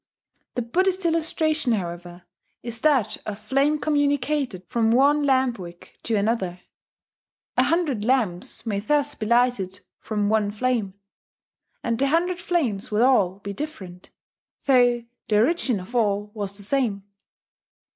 The Buddhist illustration, however, is that of flame communicated from one lamp wick to another: a hundred lamps may thus be lighted from one flame, and the hundred flames will all be different, though the origin of all was the same.